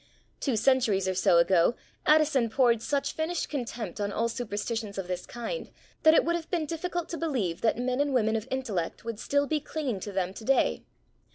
Two centuries or so ago Addison poured such finished contempt on all superstitions of this kind that it would have been difficult to believe that men and women of intellect would still be clinging to them to day.